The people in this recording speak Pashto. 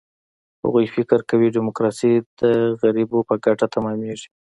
هغوی فکر کوي، ډیموکراسي د غریبو په ګټه تمامېږي.